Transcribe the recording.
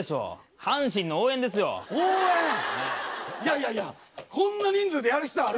いやいやこんな人数でやる必要ある？